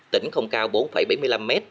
tỉnh không cao bốn bảy mươi năm m